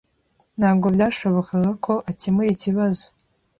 Ntabwo byashobokaga ko akemura ikibazo.